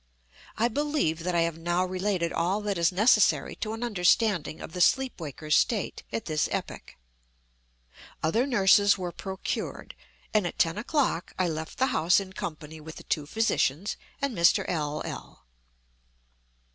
I believe that I have now related all that is necessary to an understanding of the sleep waker's state at this epoch. Other nurses were procured; and at ten o'clock I left the house in company with the two physicians and Mr. L—l.